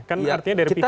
kan artinya dari pihak